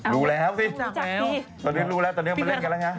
รู้แล้วสิตอนนี้รู้แล้วตอนนี้มาเล่นกันแล้วไง